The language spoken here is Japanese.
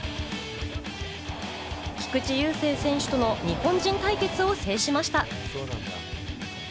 菊池雄星選手との日本人対決を制しました。